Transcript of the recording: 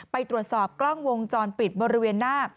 ไปตรวจสอบกล้องวงจรปิดบริเวณหน้า